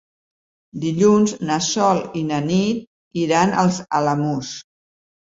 Dilluns na Sol i na Nit iran als Alamús.